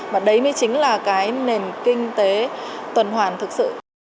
và đấy mới chính là cái nền kinh tế tuần hoàn thực sự